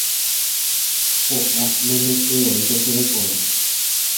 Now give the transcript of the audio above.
Po'a memetevoi ko che rekove.